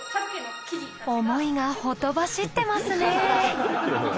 想いがほとばしってますね。